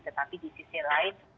tetapi di sisi lain